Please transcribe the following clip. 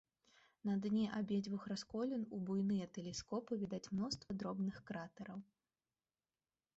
На дне абедзвюх расколін у буйныя тэлескопы відаць мноства дробных кратэраў.